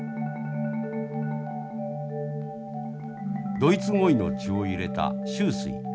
ドイツ鯉の血を入れた秋翠。